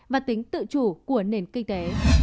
và tính tự chủ của nền kinh tế